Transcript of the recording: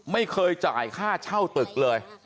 ไม่เคยจ่ายค่าเช่าตึกเลย